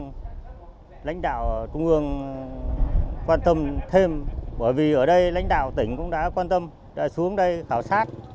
lãnh đạo trung ương quan tâm thêm bởi vì ở đây lãnh đạo tỉnh cũng đã quan tâm xuống đây khảo sát